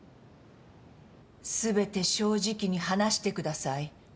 全て正直に話してください。